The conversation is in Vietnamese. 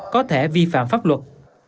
có thể vi phạm pháp luật